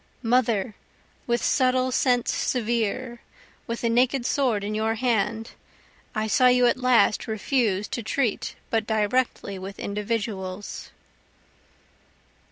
(Mother! with subtle sense severe, with the naked sword in your hand, I saw you at last refuse to treat but directly with individuals.)